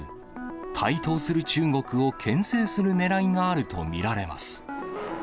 台頭する中国をけん制するねらいがあると見られます。